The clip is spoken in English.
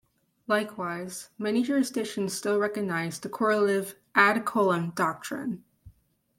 Likewise, many jurisdictions still recognize the correlative "ad coelum" doctrine.